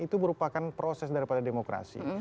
itu merupakan proses dari pada demokrasi